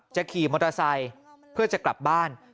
ขี่มอเตอร์ไซค์เพื่อจะกลับบ้าน